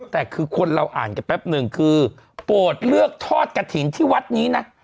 แต่คือคนเราอ่านกันแป๊บหนึ่งคือโปรดเลือกทอดกระถิ่นที่วัดนี้นะ